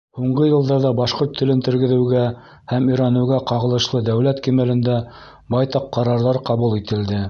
Һуңғы йылдарҙа башҡорт телен тергеҙеүгә һәм өйрәнеүгә ҡағылышлы дәүләт кимәлендә байтаҡ ҡарарҙар ҡабул ителде.